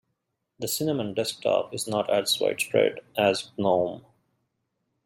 The cinnamon desktop is not as widespread as gnome.